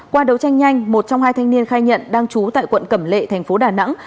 qua đấu tranh nhanh một trong hai thanh niên khai nhận đang trú tại quận cẩm lệ thành phố đà nẵng